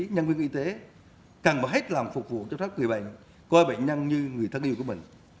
nhân viên y tế cần phải hết lòng phục vụ cho sát người bệnh coi bệnh nhân như người thân yêu của mình